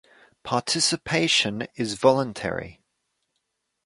Participation is voluntary.